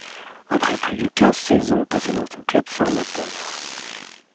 Après plus de quinze saisons passées dans son club formateur.